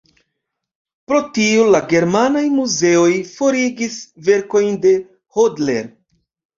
Pro tio la germanaj muzeoj forigis verkojn de Hodler.